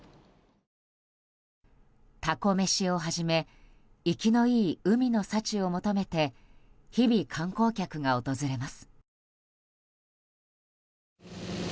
タコ飯をはじめ生きのいい海の幸を求めて日々、観光客が訪れます。